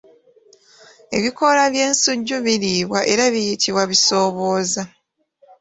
Ebikoola by’ensujju biriibwa era biyitibwa bisoobooza.